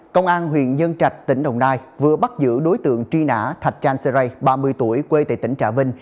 công an huyện nhân trạch tỉnh đồng nai vừa bắt giữ đối tượng tri nã thạch chan seray ba mươi tuổi quê tại tỉnh trả vinh